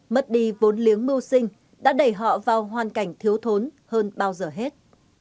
mất đi vốn liếng mưu sinh đã đẩy họ vào hoàn cảnh thiếu thốn hơn bao giờ hết